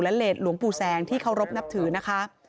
และเลสหลวงปู่แสงที่เคารพนับถือนะคะ